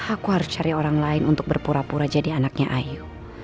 aku harus cari orang lain untuk berpura pura jadi anaknya ayu